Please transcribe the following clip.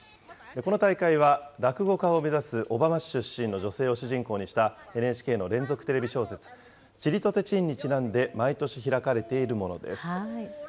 この大会は、落語家を目指す小浜市出身の女性を主人公にしたＮＨＫの連続テレビ小説ちりとてちんにちなんで、毎年開かれているものです。